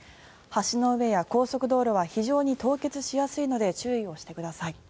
橋の上や高速道路は非常に凍結しやすいので注意をしてください。